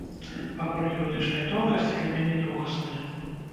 Пакуль юрыдычныя тонкасці для мяне другасныя.